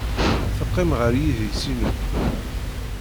Teqqim ɣer yidis-inu.